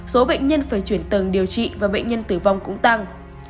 số bệnh nhân phải chuyển tầng điều trị và bệnh nhân tử vong cũng tăng